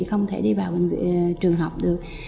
không thể đi vào trường học được